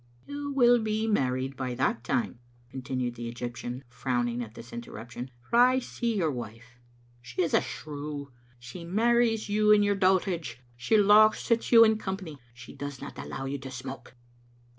"You will be married by that time," continued the Egyptian, frowning at this interruption, " for I see your wife. She is a shrew. She marries you in your dotage. She lauchs at you in company. She doesna allow you to smoke."